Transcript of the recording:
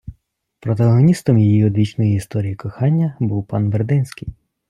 Протагоністом її одвічної історії кохання був пан Бердинський